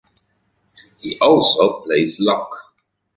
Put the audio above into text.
He also plays lock.